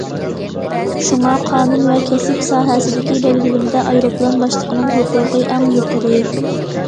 شۇڭا قانۇن ۋە كەسىپ ساھەسىدىكى بەلگىلىمىدە ئايروپىلان باشلىقىنىڭ ھوقۇقى ئەڭ يۇقىرى.